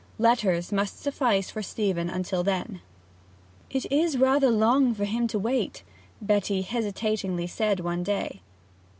Letters must suffice for Stephen till then. 'It is rather long for him to wait,' Betty hesitatingly said one day.